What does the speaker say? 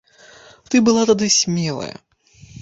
Ты была тады смелая.